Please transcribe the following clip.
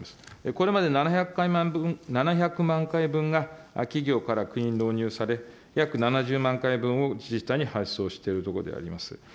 これまで７００万回分が企業から国に導入され、約７０万回分を自治体に配送をしているところでございます。